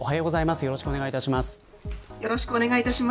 よろしくお願いします。